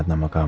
tadak aja sih